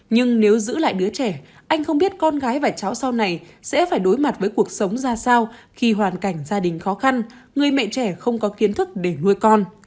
nhưng nếu giữ lại đứa trẻ anh không biết con gái và cháu sau này sẽ phải đối mặt với cuộc sống ra sao khi hoàn cảnh gia đình khó khăn người mẹ trẻ không có kiến thức để nuôi con